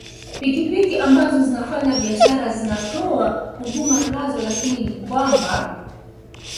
pikipiki ambazo zinafanya biashara zinatoa huduma nazo lakini ni kwamba kibiashara teksi